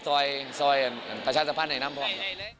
ซอยประชาสภาษณ์ในน้ำพร้อม